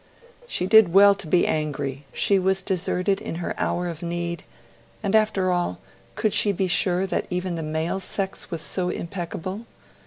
She did well to be angry; she was deserted in her hour of need; and after all, could she be sure that even the male sex was so impeccable?